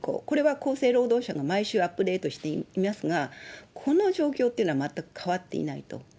これは厚生労働省も毎週アップデートしていますが、この状況というのは、全く変わっていないと。